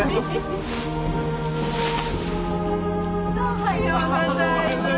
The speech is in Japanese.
おはようございます。